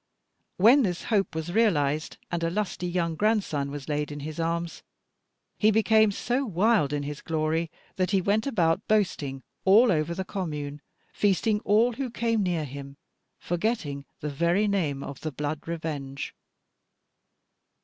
When this hope was realized, and a lusty young grandson was laid in his arms, he became so wild in his glory, that he went about boasting all over the commune, feasting all who came near him, forgetting the very name of the blood revenge.